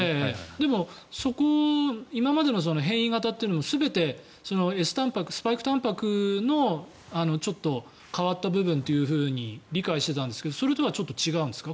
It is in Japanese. でもそこを今までの変異型というのはスパイク型、Ｓたんぱくの部分がちょっと変わった部分というふうに理解していたんですがそれとはちょっと違うんですか？